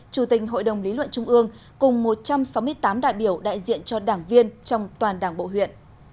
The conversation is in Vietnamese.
chủ tình hội đồng lý luận trung ương cùng một trăm sáu mươi tám đại biểu đại diện cho đảng viên trong toàn đảng bộ huyện